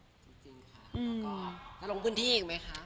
จริงค่ะแล้วก็จะลงพื้นที่อีกไหมคะ